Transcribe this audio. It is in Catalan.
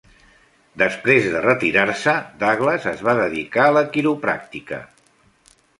Després de retirar-se, Douglas es va dedicar a la quiropràctica.